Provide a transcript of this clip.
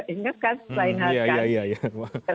ingat kan selain hakan